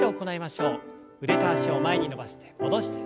腕と脚を前に伸ばして戻して。